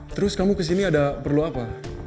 terus kamu kesini ada perlu apa